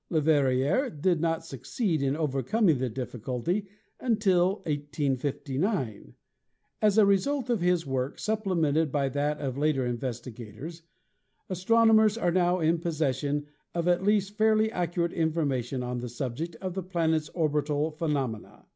Leverrier did not suc ceed in overcoming the difficulty until 1859. As a result of his work, supplemented by that of later investigators, astronomers are now in possession of at least fairly ac curate information on the subject of the planet's orbital phenomena.